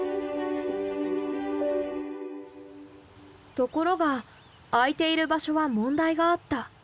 ところが空いている場所は問題があった。